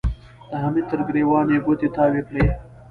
د حميد تر ګرېوان يې ګوتې تاوې کړې.